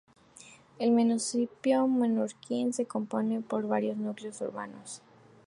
El municipio menorquín se compone por varios núcleos urbanos.